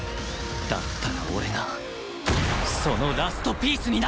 だったら俺がそのラストピースになる！